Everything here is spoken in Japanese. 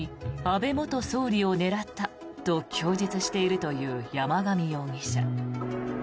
安倍元総理を狙ったと供述しているという山上容疑者。